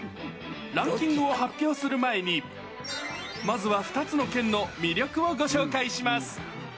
ランキングを発表する前に、まずは２つの県の魅力をご紹介します。